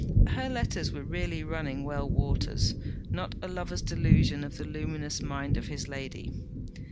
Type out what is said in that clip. Her letters were really running well waters, not a lover's delusion of the luminous mind of his lady.